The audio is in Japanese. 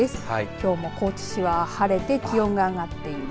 きょうも高知市は晴れて気温が上がっています。